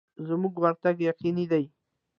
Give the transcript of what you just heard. زموږ ورتګ یقیني دی.